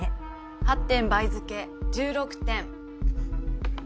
８点倍付け１６点。